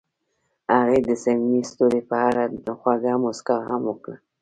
هغې د صمیمي ستوري په اړه خوږه موسکا هم وکړه.